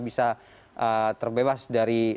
bisa terbebas dari